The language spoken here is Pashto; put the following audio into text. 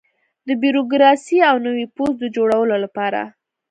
د بیروکراسۍ او نوي پوځ د جوړولو لپاره.